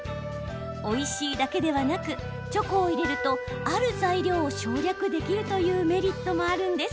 おいしいだけではなくチョコを入れるとある材料を省略できるというメリットもあるんです。